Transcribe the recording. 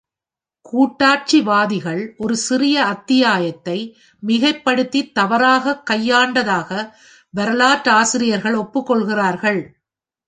கூட்டாட்சிவாதிகள் ஒரு சிறிய அத்தியாயத்தை மிகைப்படுத்தித் தவறாகக் கையாண்டதாக வரலாற்றாசிரியர்கள் ஒப்புக்கொள்கிறார்கள்.